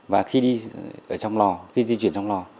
và khi đi ở trong lò khi di chuyển trong lò